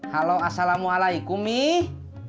halo assalamualaikum mih